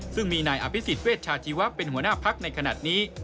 ซึ่งมีนายอภิษฎเวชชาชีวะเป็นหัวหน้าพักในขณะนี้